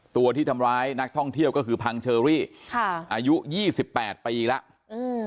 ตัวที่ทำร้ายนักท่องเที่ยวก็คือพังเชอรี่ค่ะอายุยี่สิบแปดปีแล้วอืม